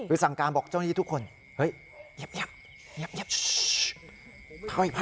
หรือสั่งการบอกเจ้านี่ทุกคนเงียบ